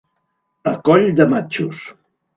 A coll de matxos.